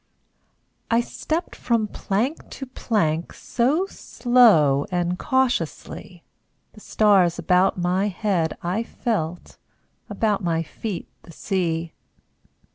I stepped from plank to plank So slow and cautiously; The stars about my head I felt, About my feet the sea.